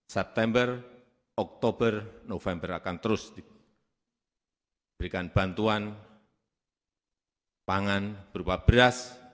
september oktober november akan terus diberikan bantuan pangan berupa beras